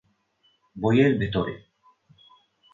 বই এর ভেতরে।